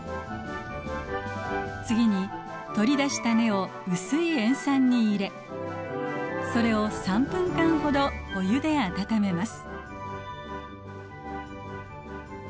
次に取り出した根を薄い塩酸に入れそれを３分間ほどお湯で温めます。